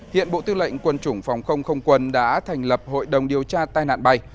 hiện bộ tư lệnh quân chủng phòng không không quân đã thành lập hội đồng điều tra tai nạn bay